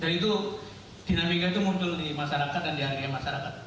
dan itu dinamika itu muncul di masyarakat dan di harga masyarakat